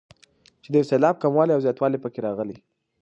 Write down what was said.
چې د یو سېلاب کموالی او زیاتوالی پکې راغلی.